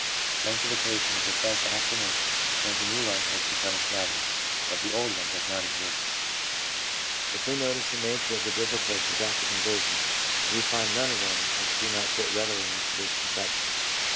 Sanctification is a fresh affir mation, when the new life has become established, that the old does not exist. If we notice the nature of the difficulties after con version, we find none of them which do not fit readily into this conception.